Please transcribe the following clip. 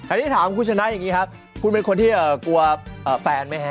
อันนี้ถามคุณชนะอย่างนี้ครับคุณเป็นคนที่กลัวแฟนไหมฮะ